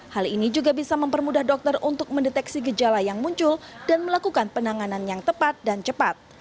hal ini juga bisa mempermudah dokter untuk mendeteksi gejala yang muncul dan melakukan penanganan yang tepat dan cepat